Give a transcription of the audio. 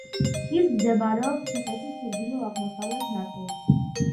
ის მდებარეობს ჩეხეთის ჩრდილო-აღმოსავლეთ ნაწილში.